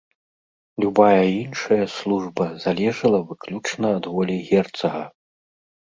Любая іншая служба залежала выключна ад волі герцага.